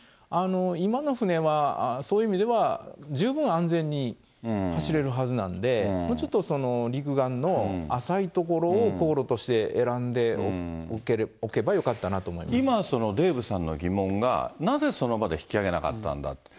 今の船はそういう意味では、十分安全に走れるはずなんで、もうちょっと陸岸の浅い所を航路として選んでおけばよかったなと今、デーブさんの疑問が、なぜその場で引き揚げなかったんだと。